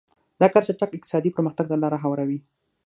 دا کار چټک اقتصادي پرمختګ ته لار هواروي.